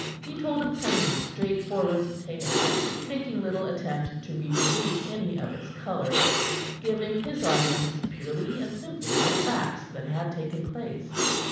He told a plain, straightforward tale, making little attempt to reproduce any of its color, giving his audience purely and simply the facts that had taken place.